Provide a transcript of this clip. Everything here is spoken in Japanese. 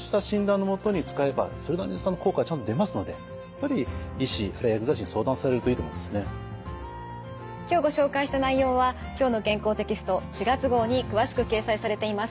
ですので今はですね今日ご紹介した内容は「きょうの健康」テキスト４月号に詳しく掲載されています。